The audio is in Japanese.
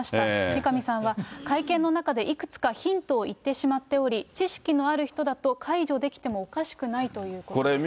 三上さんは、会見の中でいくつかヒントを言ってしまっており、知識のある人だと、解除できてもおかしくないということです。